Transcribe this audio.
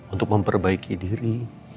untuk memperbaiki diri